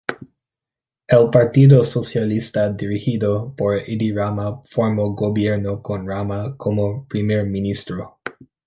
El Partido Socialista dirigido por Edi Rama formó gobierno con Rama como Primer Ministro.